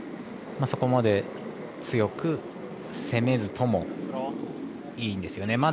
そこまで、強く攻めずともいいんですよね。